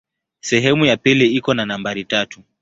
Sehemu ya pili iko na nambari tatu.